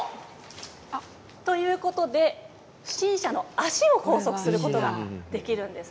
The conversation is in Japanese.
えいっ！ということで不審者の足を拘束することができるんです。